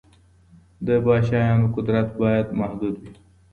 د پادشاهانو قدرت بايد محدود وي.